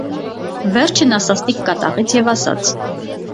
- Վերջը նա սաստիկ կատաղեց և ասաց.